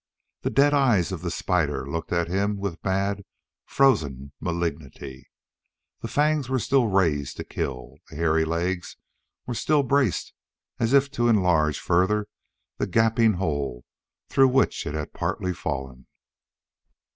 The dead eyes of the spider looked at him with mad, frozen malignity. The fangs were still raised to kill. The hairy legs were still braced as if to enlarge further the gaping hole through which it had partly fallen.